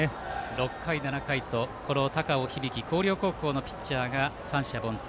６回、７回と広陵高校のピッチャー高尾響が三者凡退。